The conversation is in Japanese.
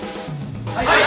はい！